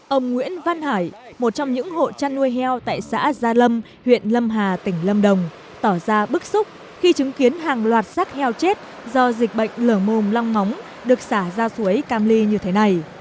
ông nguyễn văn hải một trong những hộ chăn nuôi heo tại xã gia lâm huyện lâm hà tỉnh lâm đồng tỏ ra bức xúc khi chứng kiến hàng loạt sát heo chết do dịch bệnh lở mồm long móng được xả ra suối cam ly như thế này